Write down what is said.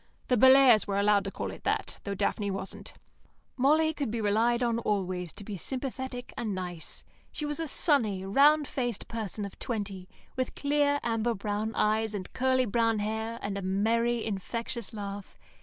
(The Bellairs were allowed to call it that, though Daphne wasn't.) Molly could be relied on always to be sympathetic and nice. She was a sunny, round faced person of twenty, with clear, amber brown eyes and curly brown hair, and a merry infectious laugh.